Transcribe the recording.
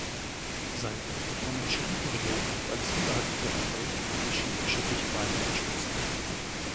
Sein Buch wird von den Schiiten gelobt, weil es viele Hadithe enthält, die die schiitische Sichtweise unterstützen.